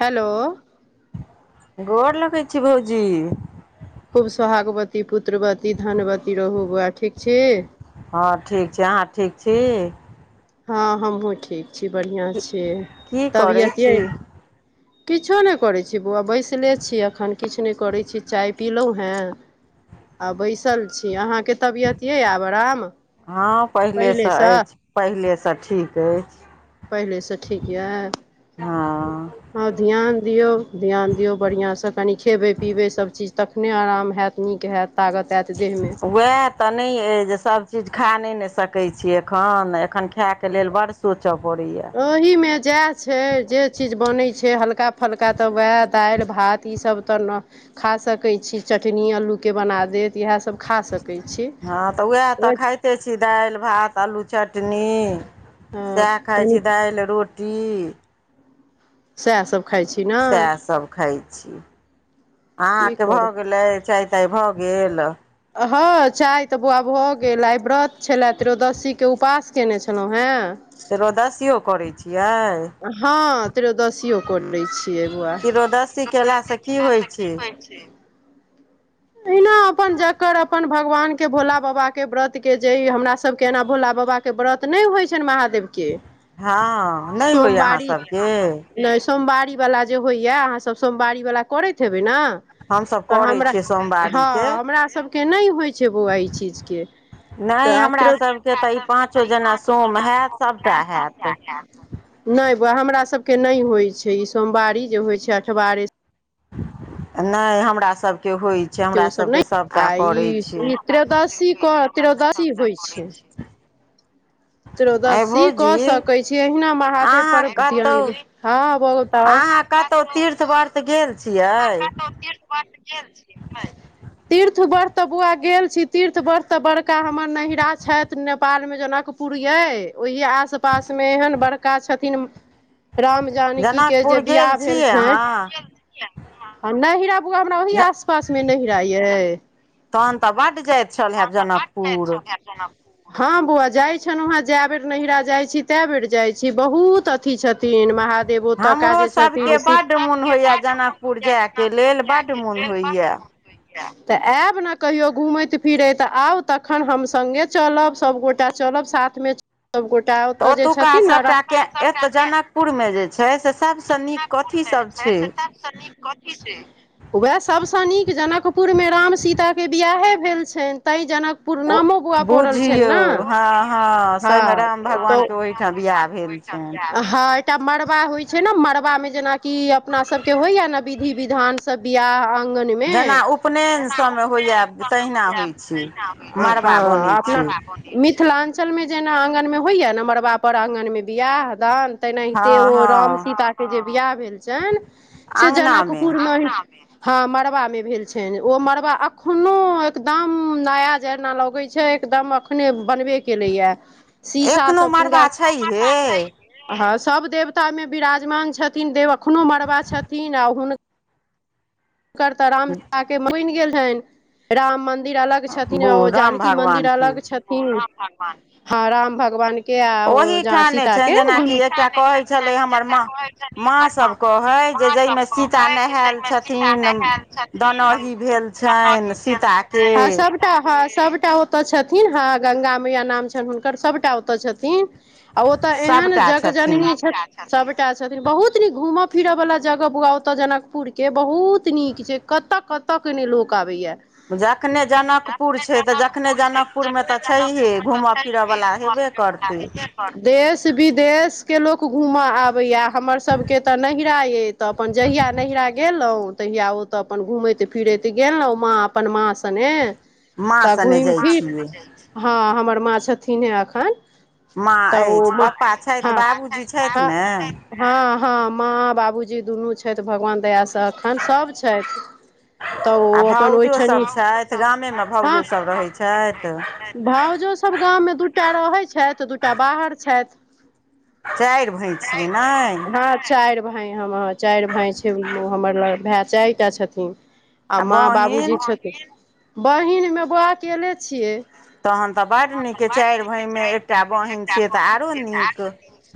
Hello. गोर लगै छी भौजी। खूब सोहागवती पुत्रवती धनवती रहु बौआ ठीक छी? हँ ठीक छै, अहाँ ठीक छी। हँ हमहुँ ठीक छी बढ़िआँ की छीयै की करै तबियत छी यै? [inaudible] किछो नै करै छी बौआ बैसले छी एखन किछ नै करै छी चाय पीलौ हेँ। आ बैसल छी आहाँके तबियत यए आब आराम? हँ पहिलेसँ अछि, पहिलेसँ ठीक अछि। पहिलेसँ ठीक या। हँ हँ ध्यान दियौ ध्यान दियौ बढ़िआँसँ कनि खेबै पिबै सब चीज तख। नेै आराम हेएत नीक हेएत तागत। आयत देहमे वैह तऽ नहि अछि जे सभ चीज खा नहि ने सकैत छी एखन, एखन खायके लेल बड सोचऽ पड़ैये। ओहि मे जएह छै जे चीज बनै छै हल्का फल्का तऽ वएह दैल, भात ईसब तऽ न खा सकै छी चटनी अलूके बना देत। इहे सब खा सकै छी, ओ खैतै छी दालि भात आलू चटनी, सएह खाइ कनि छी दालि रोटी की? सएह सभ खाइ छी। ने सएह सभ खाइ छी, की अहाँके भऽ करू गेलै चाय तय भऽ गेल। हँ चाय तऽ बौआ भऽ गेल, आइ व्रत छले त्रियोदशीके उपास कयने छलहुँ हेँ। त्रयोदसियो करै छियै? हँ त्रयोदशी कऽ दै छी। बौआ की होइ छै, कीरोदस्ती सुतल कयलासँ की छथिन्ह होइ खा के, छै कि कहै छियै एहना अपन जकर अपन भगवान के भोला बाबा के व्रत के जे ई हमरा सबके एना भोला बाबा के के व्रत नै होय छैन महादेव के। हां नै होय यै अहाँ सबके। नै सोमवारी बला जे होइया, अहाँ सब सोमवारी वला करैत हेबै नै। हमसभ तऽ करै हमरा छियै हां सोमवारीके हमरा सबके नै होय छै बौआ ई चीजके। तऽ नहि आय हमरा त्रो सभके तऽ ई पाँचो जेना सोम हैत सभटा हैत [unintelligible] नै बउवा हमरा सबके नै होय छै ई सोमवारी जे होय छै अठवारे नै हमरा सबके होय छै, हमरा सबके सबटा करै छै। त्रोदशी क त्रोदशी होय छै। आँय त्रोदशी भौजी कऽ सकय छी, अहिना महादेव अहाँ पर ध्यान दियो हां बहुत तब कतो तीर्थ-वर्त गेल छियै? वर्त गेल छियै। [unintelligible] तीर्थ वर्त त बौआ गेल छी, तीर्थ वर्त तऽ बड़का हमर नैहरा छैथ नेपाल मे जनक पुर यै ओहि आस-पास मे एहेन बड़का छथीन रामजी जानकी के जे जनकपुर बियाह गेल भेल छियै छै अहाँ आ नैहिरा बौआ हमरा ओहि आस-पास मे नैहिरा यै। तहन तऽ बड्ड जाएत छल हेब जनकपुर। हां बौआ जाए छलौं हें जाए बेर नैहिरा जाए छी तै बेर जाए छी बहुत अ अथि छथिन महादेव ओतका हमरो जे छथिन सभके से, हमरो सबके बड्ड मुन होय यै जे के लेल बड्ड मुन होय यै। तऽ ऐब नै कहियो घुमैत फिरैत आउ तखन हम संगे चलब सब गोटा चलब। साथमे सब गोटा तऽ ओतऽ जे छथिन नै र [unintelligible] पुर मे जे छै से सबसे नीक कथी सब छै। से नीक कथी छै। वैह सबसे नीक जनकपुर मे राम-सीता के बियाहै भेल छैन तैं जनक ओ बुझियौ हां-हां सही मे हँ राम भगवान के ओहिठा बियाह भेल छै। हां एकटा मड़बा होय छै नै मड़वा मे जेनाकि अपना सब के होय यै नै विधि-विधान सब बियाह आंगन मे जेना उपनयन जेना सभमे होइए उपनैन सब मे तहिना होई या होइ छै तहिना होय छै हँ मड़बा बनै मरवा बनाई छै मिथिलाञ्चलमे जेना आँगनमे होइए ने मड़बापर आँगनमे बियाह दान। हँ तेनाहिते ओ हँ राम सीता के जे बियाह भेल छनि से अङ्गनामे जनकपुर मे ओहिना हँ मड़बा मे भेल छनि ओ मड़वा अखनो एकदम नया जेना लगे छै। एकदम अखने बनबे केलैया शीशा एखनो सब पूरा मड़बा छैहे [unintelligible] हँ सब देवतामे विराजमान छथिन देव एखनो मड़बा छथिन आ हुन हुनकर तऽ राम सीताके बनि गेल छनि। राम मंदिर अलग छथिन ओ राम जानकी मंदिर भगवानके अलग छथि थिन हँ भगवान हँ राम भगवान क आ ओ जे ओहीठाने सीता छनि के, जेनाकि ओही एकटा ठन कहै छठिन [unintelligible] एकटा कहय छठिन हमर मां। कहैय जे जाहिमे सीता नहाआल छथि थिन दनौहि भेल छनि सीताके। हँ सभटा हँ सभटा ओतय छथिन हँ गंगा मैया नाम छनि हुनकर सभटा ओतऽ छथिन। आ ओतऽ एहन सभटा जग छथिन जननी छथिन सभटा छथिन बहुत न घूमऽ फिरऽ बालला जगह बुआ ओतऽ जनकपुर के बहुत नीक छै कतऽ कतऽ के ने लोक आबैया। जनकपुर जखने छै तऽ जखने जनकपुर छै जनकपुरमे तखने तऽ जनकपुर छैहे मे घूमय तऽ छैहे। फिरयवला हेबे करतै [inaudible] देश विदेश के लोक घूम आबया हमर सबके तऽ नैहिरा यै। तऽ अपन जहिया नैहिरा गेलहुँ तहिया ओतऽ अपन घुमैत फिरैत गेलहुँ माँ अपन माँ सने माँ तऽ सने घुमि जाइ फिर छियै [unintelligible] हँ हमर माँ छथिन हे एखन माँ त ओ अछि पप्पा छथि हँ बाबूजी [unintelligible] छथि हँ ने [unintelligible] हँ हँ माँ बाबूजी दुनू छैथ भगवान दया स एखन सब छैथ। तऽ ओ आ अपन भाउजो ओहिठनि सब छथि गामेमे [unintelligible] हँ। भाउजो सब रहै छथि [unintelligible] भाउजो सब गाम मे दूटा रहैत छैथ दूटा बाहर छै। चाइर भाय छियै नय। चाईर भाय हम चाईर भाय छै हमर भाय चाय टा छथिन। आ माँ बाबूजी छथिन, आ बहिन, बहिन मे बौउवा अकेएले छियै। तऽ बड्ड तहन नीक त अइ बड़ चारि निक यै भायमे चाईर भाय एकटा मैं बहिन एकटा छियै तऽ बहिन आरो छिऐ त आरो तऽ नीक।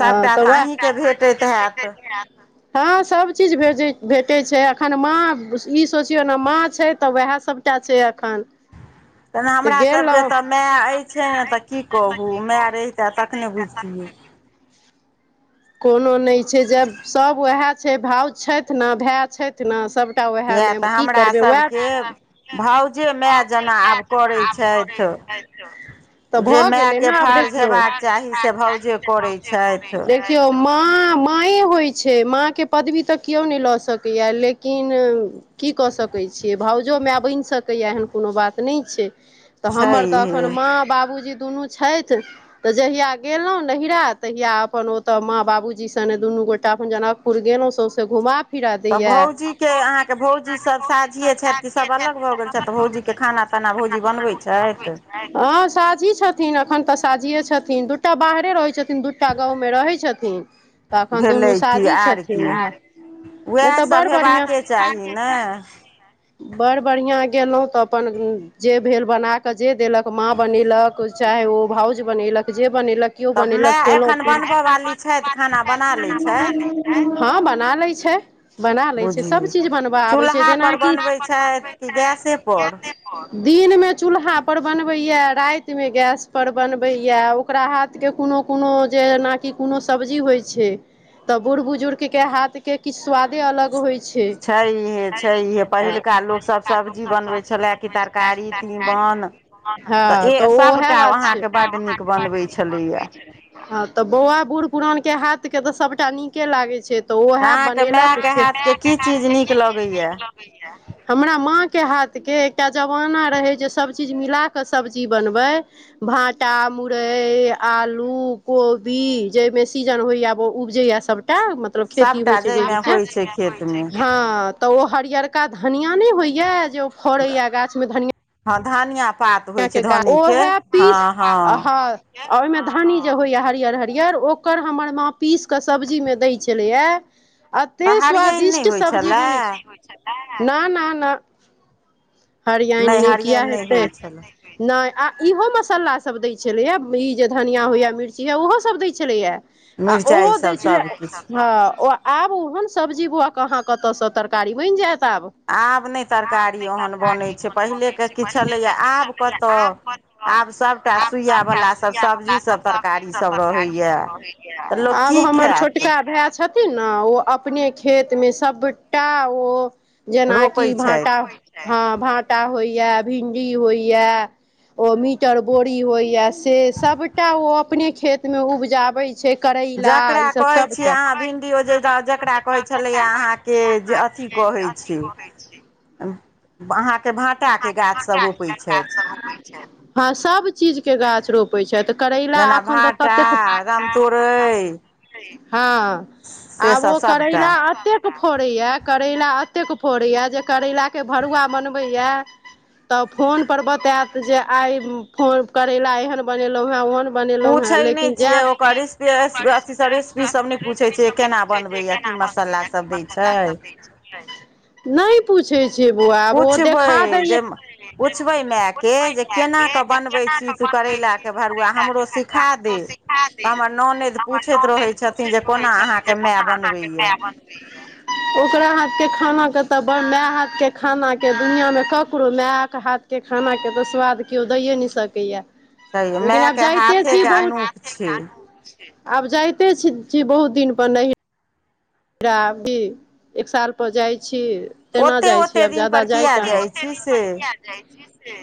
हँ त तऽ वेह सबटा अहीँके त भेटैत अहीके भेटत हैत ह सब सभ चीज भेजै भेटै छै अखन माँ ई सोचियौ ने माँ छै तऽ उएह सभटा छै अखन। तहन हमरा सभके तऽ मै अछि ने तऽ की कहू मै रहितै तखने बुझितियै। कोनो नहि छै ज सब ओएह छै भाउज छेथ नअ भा छेथ छथ ना सबटा ओएहे किए मे तऽ की करबैए [inaudible] हमरासभके भाउजे माय जेना आब करै छथि [unintelligible] तऽ जे भऽ गेलै मायके न आब फर्ज देखियौ। [unintelligible] छैथ। देखियौ माँ माँए होइ छै माँ के पदवी तऽ केओ नहि लऽ सकैया लेकिन। की कऽ सकैत छियै भउजो मैं बनि सकैएया एहन कोनो बात नहि छै। तऽ हमर तऽ छैहे अखन माँ बाबूजी दुनू छैथ। तऽ जहिया गेलहु नैहरा तहिया अपन ओतऽ माँ बाबूजी सने दुनू गोटा अपन जनक पुर गेलहुँ सौवसे घुमा फिरा तऽ दैये भौजी के अहाँके भौजी सब साझियए छथ कि सब अलग भऽ गेल छथ भौजीके खाना खाना भौजी बनबै छथ? हँ साझी छथिन अखन तऽ साझीेए छथिन दूटा बाहरे रहै छथिन दू एकटा गाँवमे रहै छथिन तखन भेलै दुनू की साझी आर की छथिन आ नै उएह तऽ बड़ सभ बढ़िआ हेबाके चाही ने बड़ बढ़िआँ गेलुॅं तऽ अपन, जे भेल बना जे देलक माँ बनेलक चाहे ओ भाउज बनेलक जे बनेलक केओ तब बनेलक माय खेलउँ एखन बनबय वाली छथि खाना बना लै छथि [unintelligible] हँ बना लई छत बना ले छै सब बुझियौ चीज बनबऽ आबै छै चूल्हापर जेनाकि बनबै छथि कि गैसेपर [unintelligible] दिनमे चुल्हा पर बनबेयै रातिमे गैस पर बनबेयै। ओकरा हाथके कोनो कोनो जे नाकि कूनो सब्जी होइ छै तऽ बूढ़ बुजुर्ग के हाथ के किछ स्वादे अलग होइ छै छैहे छैहे पहिलुका लोकसभ सब्जी बनबै छलए कि तरकारी तीमन [unintelligible] हँ तऽ ए ओहे सभटा बात छै। अहाँके बड्ड नीक बनबै छलैए हँ तऽ बौउआ बूढ़ पुरान के हाथ के तऽ सबटा नीके लागै छै तऽ उएहे अहाँके बनेलक मायके से, आहा के मै हाथके के की हाथ के नीक कि चीज लगैए नीक लगेयै? हमरा माँके हाथके एकटा जमाना रहै जे सबचीज मिला कऽ सब्जी बनबै भाँटा, मुरअइ, आलू, कोबी जायिमे सीजन होइये उपजैए सभ टा मतलब खेती होइ सभटा छै जे जाहिमे [unintelligible] होइ छै खेतमे हँ तऽ ओ हरियरका धनिया ने होइया जे ओ फड़े यै गाछ में धनिया हँ धानिया पात होइ धनिया छै के गाछ, धन्नीके ओहै हँ पीस धानिया के पात, हँ अ हँ ओयिमे धानी जे होइए हरियर-हरियर ओकर हमर माँ पीस कऽ सब्जीमे दै छलैए अते तऽ हरियैन नहि स्वादिष्ट होइ सब्जी छलए बने, हरियेन नयि होये छलै, ना ना ना हरिऐन नहि ने किया हरियैन नहि हेतै। होइ छलए नय आ इहो मसालासब दै छलेए, ई जे धनिया होइए, मिर्ची ह ओहोसब दै छलेए आ ओहो मिरचाइ दै सभ छैले सभकिछु हँ ओ आब ओहन सब्जी बौउआ कहाँ कतसँ तरकारी बइन जेत आब आब नै तरकारी ओहन तरकारी बनै छै बनब मे पहिलेके छै किछु पहिले छलैए लोक के आब छेलै आब कतऽ आब सभटा [unintelligible] आब सबटा सुइयावला सभ सब्जी सभ तरकारी सभ रहैए तऽ [unintelligible] लोक आब की हमर खायत छोटका भैये छ न ओ अपने खेत मे सबटा ओ जेनाकि रोपै भाटा छथि हँ भाटा होइया, भिंडी होइया ओ मीटर बोरी होइया से सबटा ओ अपने खेत में उपजाबेै छै करैला ई जकरा सब टा कहै छियै अहाँ भिंडियो जे जकरा कहै [unintelligible] [inaudible] करे छलैए अहाँके छै आहाँके भाटाके गाछ सब रोपे छत हँ सब चीजके गाछ रोपै छतऽ करैला जेना अखन तऽ भाँटा ततेक भाटा रामतोरइ हँ से आब सब ओ सबटा करैला अतेक फड़ैया करैला एतेक फड़ैया जे करैलाक के भरुआ बनबेयै त फोन पर बतेत जे आइ फो करैला एहन बनेलुॅं हे ओहन बनेलहुँ हेँ पूछै नयि लेकिन छियै जायब ओकर रेस-पि-रेस- अथी सब रेसपी सब नयि पूछै छियै केना बनबैए की मसा तला सब दै छयि नै पूछै छियै बौउआ आब ओ देखा पुछबै दैया जे पुछबै मायके पूछबै जे मैए केना के, कऽ जे बनबै केना छी कऽ तू बनबै करैलाके छिही भरुआ करैला के हमरो भरूआ, सिखा हमरो दे सिखा खा दे, तऽ हमर ननदि हमर पूछैत ननैद रहै छथिन पूछैत जे रहै कोना छथिन जे अहाँके माय कोना अहाँके बनबैया मैय बनबै ओकरा हाथ के खाना के तऽ बर मैए हा के खानाके दुनिआ मे ककरो, मायक हाथके खानाके तऽ स्वाद केओ दैए नै सकैए। छै लेकिन आब मायके जाते छी हाथेके बहुत मैए के अनूप हाथे के छै अनूप छै। आब जाइते छी, छी, बहुत दिन पर नेै [unintelligible] अभी एक साल पर जाइ छी। तेना ओते जाइ छी, ओते आब दिन जादा पर जाय किया कहाँ छी, जाइ ओते-ओते दिन से पर किया जाय छी से।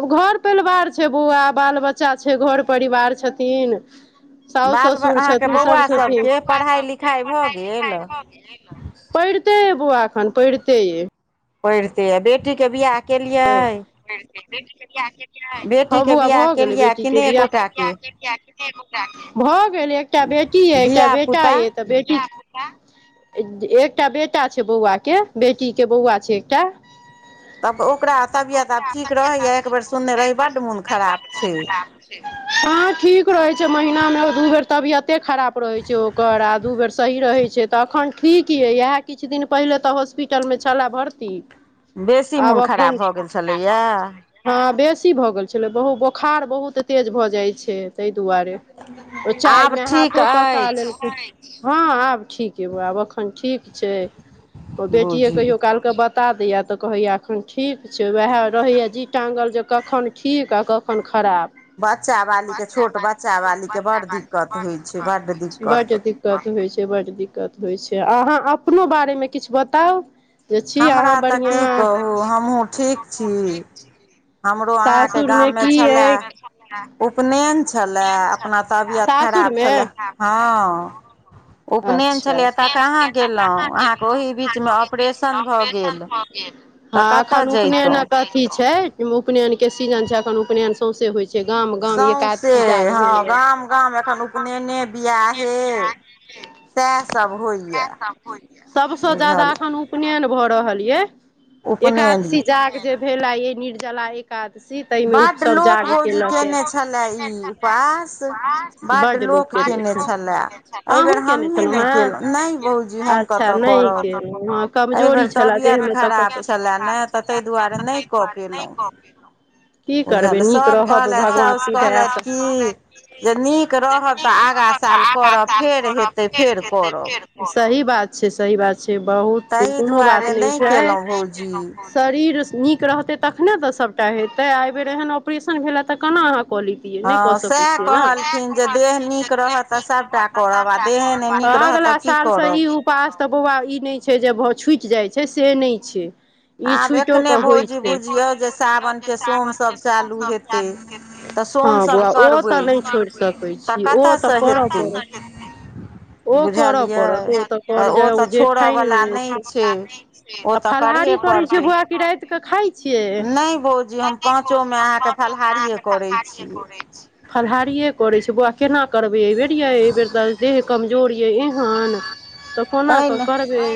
आब घर परिवार छै बौआ, बाल बच्चा छै, घर परिवार छथिन। साउ- बाल ससुर अहाँके छथिन, सब बौआ छथिन, सबके ताबत आहाँके पढ़ाइ बउआ के लिखाइ भऽ पढ़ाई- लिखाइ गेल पढ़िते अय बौआ एखन, पढ़िते यै। पढ़िते अइ, बेटीके बिआह केलियै? हँ बेटीके बौआ बियाह भऽ गेलै केलियै कि बेटीके नहि बियाह एकोटाके [unintelligible] भऽ गेलै, एकटा बेटी अइ, एकटा धिया बेटा पुता अइ, तऽ बेटी एकटा बेटा छै बौआ के, बेटी के बौआ छै एकटा। तब ओकरा तबियत आब ठीक रहैया, एकबर सुनने रही बड्ड मोन खराब छै। कहाँ ठीक रहै छै, महिनामे दू बेर तबियते खराब रहैत छै, ओ ओकर आ दू बेर सही रहै छै, तऽ अखन ठीक अइ, एहे किछ दिन पहिनेे तऽ हॉस्पिटलमे छेला भर्ती। ती। बेसी मोन खराब भऽ गेल छलैया? हँ, बेसी भऽ गेल छलै, बहु बोखार बहुत तेज भऽ जाइ छै। तैय दुआरे, ओ चाय आब मे ठीक हाथो पका लेलकै। अछि हँ आब ठीक अइ बौआ, आब एखन ठीक छै, ओ बेटिये बूझी कहियो काल के बता दैया तऽ कहैया एखन ठीक छै, ओएह रहैया जी टाँगल जे कखन ठीक, आ कखन खराब। बच्चा बालीके बच्चा छोट वाली के, बच्चा छोट बालीके बच्चा बड्ड दिक्कत होइ छै बड्ड वालीके बड्ड दिक्कत होइ छै, बड्ड दि दिक्कत होइ छै, बड्ड दिक्कत होइ छै, अहाँ अपनो बारेमे किछु बताउ? जे छी हमरा अहाँ तऽ बढ़िआँ की कहू, हमहूँ ठीक छी। हमरो अहाँके सासुरमे गाममे की अइ? छलए उपनयन छलए अपना तबियत खराब सासुरमे। छलए हँ उपनयन अच्छा छलैए तऽ उपनयन केलकै कहाँ तऽ कहाँ गेलहुँ अहाँके गेलयै, ओही बीचमे हम ओही बीच मे ऑपरेशन भऽ ऑपरेशन गेल भऽ हँ, तऽ कतय एखन जैतहुँ उपनयनक अथी छै, उपनयन के सीजन छै, एखन उपनयन सौंसे होइ छै गाम- गाम सौँसे एकादशी जाग हँ भेलैए। गाम गाम एखन उपनयने बियाहे सएहसभ सैह होइए सब होइया, सबसँ जादा बुझल एखन उ पनयन भ रहल यै, उपनयन एकादशी जाग जे भेला, ई निर्जला एक कादशी, तै में उप बड्ड सब लोक जाग भौजी केलके। कयने छलए ई उपवास बड्ड लोक केने छै, एहिबेर अहुं केने हमहीँ छलहुँ नहि कयलहुँ नहि भौजी हेँ? हम सैह कतय नै करब केलौं, कमजोरी एहिबेर छलए, तबियत देहमे त खराब कतौ छलए काम ने तऽ ताहि छलाए दुआरे तें नहि तै कऽ दुआरे नै पेलहुँ क पेलौं। बुझल, सब कहलथि साउस दयासँ कहलथि, जे नीक रहब त आंगा स साल करब, फेर हेतै फेर करब। सही बात छै, सही बात छै, बहुत ताहि कोनो बात दुआरे नै नहि छै। केलहुँ भौजी शरीर नीक रहतै तखने त सबटा हेतै, अइ बेर एहन ऑपरेशन भेल ऐ त केना अहाँ क लि तिअइ नै क हँ सकै सएह छिअइ न, कहलखिन वैह जे देह कहलखिन नीक देह रहत तऽ नीक सभटा रहत करब आ सबटा देहे नहि करब त नीक रहत तऽ अगला स की सालसँ करब ई उपास त बौआ ई नै छै, जे भ बौआ छुटि जाइ छै, से नै छै। ई आब छुइटो एखने के होइ भौजी छै। बुझियौ जे सावनके सोमसभ चालू हेतै [unintelligible] तऽ हँ सोमसभ बौआ ओ त करबै नै छोरि सकै तऽ छी। ओ कतयसँ त कर हेतै परत। ओ करअ बुझलियै परत, या त कर तऽ ओ [unintelligible] तऽ जे ठानि छोड़यवला लेलि [unintelligible] नहि छै ओ आ तऽ करहे फलाहारी करै छियै पड़तै बौआ की राति के खाइ छियैइ? नहि भौजी नै हम नै पाँचोमे भौजी हम अहाँके पाँचों मे फलाहारिए अहांके करै फलाहारिए छियै करय छी। फलाहारिए करै छी बौआ केना करबै अहिबेर यै? अहिबेर त देह कम जोर ऐ एहेन त कोना तैँ क ने करबै?